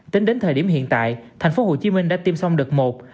tính đến thời điểm hiện tại thành phố hồ chí minh đã tiêm xong đợt một